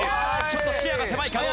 ちょっと視野が狭いか。